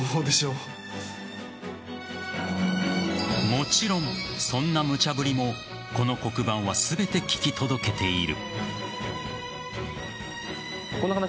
もちろん、そんな無茶ぶりもこの黒板は全て聞き届けている。